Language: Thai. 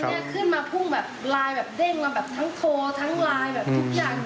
เนี่ยขึ้นมาพุ่งแบบไลน์แบบเด้งมาแบบทั้งโทรทั้งไลน์แบบทุกอย่าง